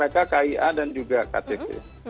dekat mereka kia dan juga ktk